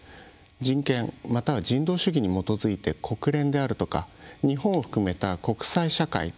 人権または人道主義に基づいて国連であるとか日本を含めた国際社会市民社会の動き